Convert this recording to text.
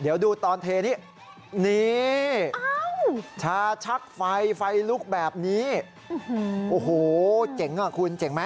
เดี๋ยวดูตอนเทนี้นี่ชาชักไฟไฟลุกแบบนี้โอ้โหเจ๋งอ่ะคุณเจ๋งไหม